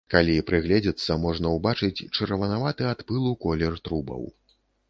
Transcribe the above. Калі прыгледзецца, можна ўбачыць чырванаваты ад пылу колер трубаў.